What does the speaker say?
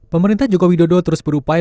pemerintah jokowi dodo terus berupaya